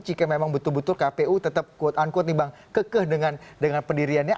jika memang betul betul kpu tetap kekeh dengan pendiriannya